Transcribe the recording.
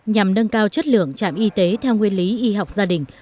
nhằm nâng cao chất lượng trạm y tế theo nguyên lý y học gia đình